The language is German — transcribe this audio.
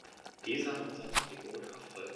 Dieser Ansatz blieb ohne Erfolg.